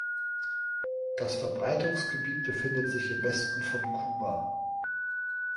Das Verbreitungsgebiet befindet sich im Westen von Kuba.